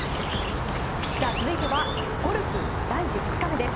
続いてはゴルフ男子２日目です。